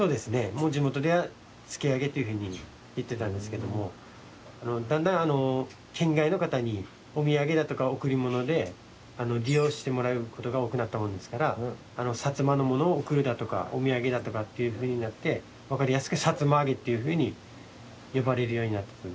じもとでは「つきあげ」っていうふうにいってたんですけどもだんだんあのけんがいのかたにおみやげだとかおくりものでりようしてもらうことがおおくなったもんですからさつまのものをおくるだとかおみやげだとかっていうふうになってわかりやすく「さつまあげ」っていうふうによばれるようになったという。